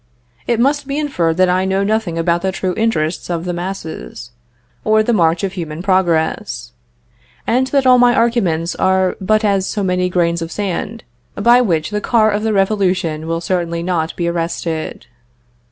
It must be inferred that I know nothing about the true interests of the masses, or the march of human progress; and that all my arguments are but as so many grains of sand, by which the car of the revolution will certainly not be arrested.